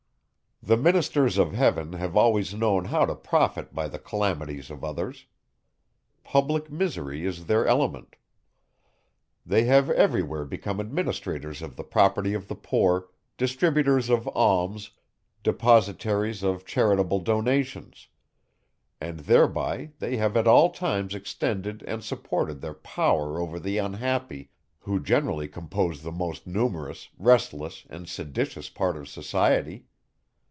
The ministers of heaven have always known how to profit by the calamities of others. Public misery is their element. They have every where become administrators of the property of the poor, distributors of alms, depositaries of charitable donations; and thereby they have at all times extended and supported their power over the unhappy, who generally compose the most numerous, restless, and seditious part of society.